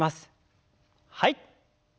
はい。